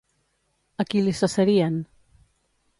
A qui li cessarien?